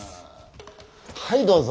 はいどうぞ。